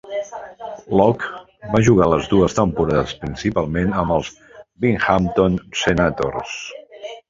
Locke va jugar les dues temporades principalment amb els Binghamton Senators.